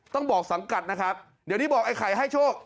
ต้องบอกสังกัดนะครับเดี๋ยวนี้บอกไอ้ไข่ให้โชค